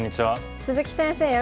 鈴木先生